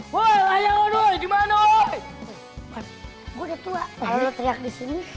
woi dimana gue tua teriak di sini